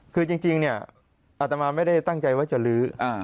คือจริงเนี่ยอาตมาไม่ได้ตั้งใจว่าจะลื้อ